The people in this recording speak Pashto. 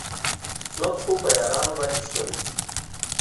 ژوند خو په یارانو باندې ښکلی دی.